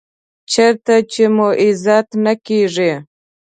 چېرته چې مو عزت نه کېږي .